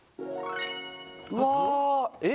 うわえっ？